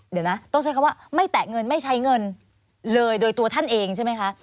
เดี๋ยวนะต้องใช้คำว่าไม่แตะเงินไม่ใช้เงินเลยโดยตัวท่านเองใช่ไหมคะ